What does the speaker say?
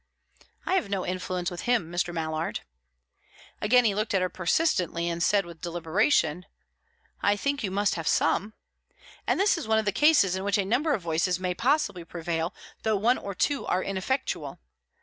"I have no influence with him, Mr. Mallard." Again he looked at her persistently, and said with deliberation: "I think you must have some. And this is one of the cases in which a number of voices may possibly prevail, though one or two are ineffectual.